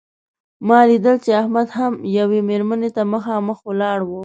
ما لیدل چې احمد هم یوې مېرمنې ته مخامخ ولاړ و.